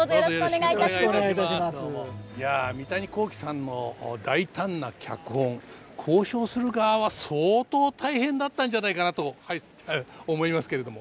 いや三谷幸喜さんの大胆な脚本考証する側は相当大変だったんじゃないかなと思いますけれども。